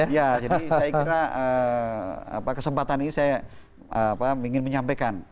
ya jadi saya kira kesempatan ini saya ingin menyampaikan